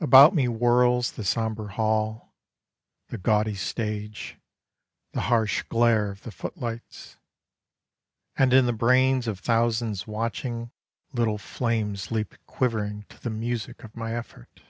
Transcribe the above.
About me whirls The sombre hall, the gaudy stage, the harsh glare of the footlights, And in the brains of thousands watching Little flames leap quivering to the music of my effort.